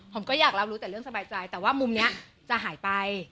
ผมก็อยากรับรู้แต่เรื่องสบายใจแต่ว่ามุมนี้จะหายไป